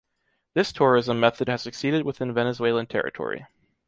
This tourism method has succeeded within Venezuelan territory.